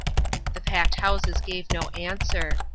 The packed houses gave no answer.